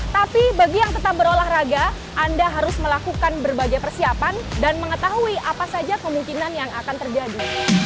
tapi bagi yang tetap berolahraga anda harus melakukan berbagai persiapan dan mengetahui apa saja kemungkinan yang akan terjadi